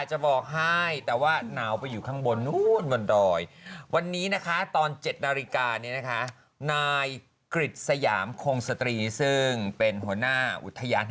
หนาวกว่าห้องกงแล้วค่ะ